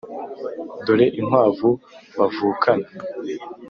dore inkwavu bavukana